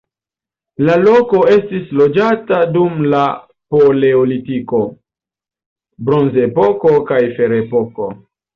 La loko estis loĝata dum la paleolitiko, bronzepoko kaj ferepoko.